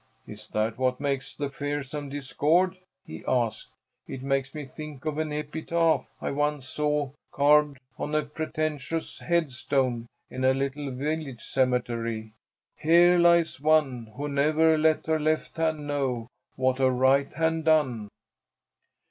"Is that what makes the fearsome discord?" he asked. "It makes me think of an epitaph I once saw carved on a pretentious headstone in a little village cemetery: "'Here lies one Who never let her left hand know What her right hand done.'"